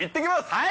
はい！